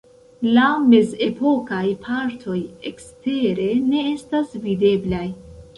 La mezepokaj partoj ekstere ne estas videblaj.